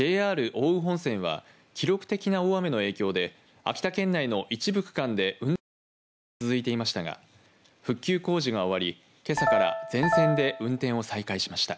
奥羽本線は記録的な大雨の影響で秋田県内の一部区間で運転見合わせが続いていましたが復旧工事が終わりけさから全線で運転を再開しました。